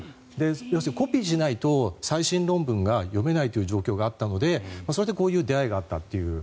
要するにコピーしないと最新論文が読めない状況があったのでそれでこういう出会いがあったという。